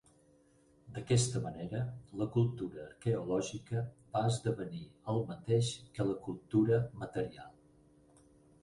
D'aquesta manera, la cultura arqueològica va esdevenir el mateix que la cultura material.